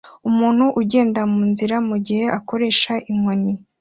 Umuntu ugenda munzira mugihe akoresha inkoni